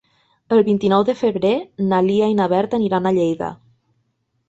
El vint-i-nou de febrer na Lia i na Berta aniran a Lleida.